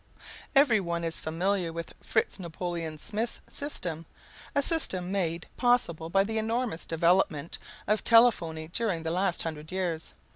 Every one is familiar with Fritz Napoleon Smith's system a system made possible by the enormous development of telephony during the last hundred years.